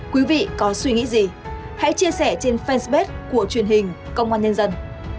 quý vị có suy nghĩ gì hãy chia sẻ trên fanpage của truyền hình công an nhân dân